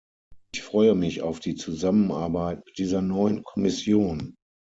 Ich freue mich auf die Zusammenarbeit mit dieser neuen Kommission.